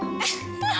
eh jangan gitu dong non